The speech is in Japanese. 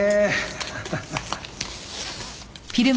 ハハハハ。